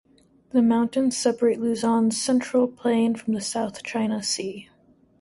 The mountains separate Luzon's central plain from the South China Sea.